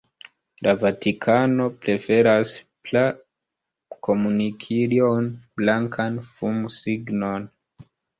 La Vatikano preferas praan komunikilon: blankan fumsignon.